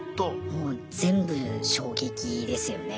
もう全部衝撃ですよね。